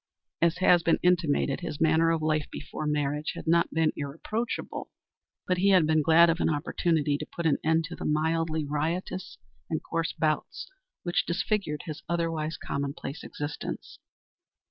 As has been intimated, his manner of life before marriage had not been irreproachable, but he had been glad of an opportunity to put an end to the mildly riotous and coarse bouts which disfigured his otherwise commonplace existence.